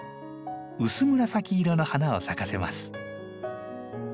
薄紫色の花を咲かせます。